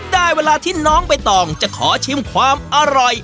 ได้เวลาที่น้องใบตองจะขอชิมความอร่อย